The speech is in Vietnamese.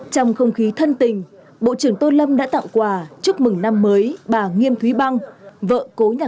trong không khí thân tình bộ trưởng tô lâm đã tạo quà chúc mừng năm mới bà nghiêm thúy băng vợ cố nhạc sĩ cùng các con cháu